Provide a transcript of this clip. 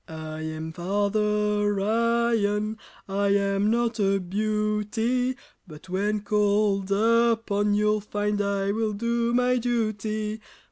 I am Father Iron! I am not a beauty, But when called upon, you'll find I will do my duty.